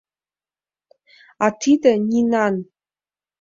— А тиде — Нинан!